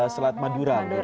selamat pagi kawan kawan